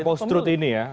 di era post truth ini ya